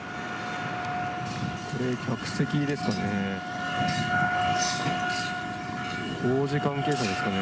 これ、客席ですかね。